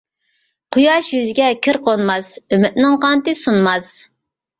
قۇياش يۈزىگە كىر قونماس، ئۈمىدنىڭ قانىتى سۇنماس.